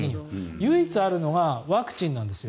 唯一あるのがワクチンなんですよ。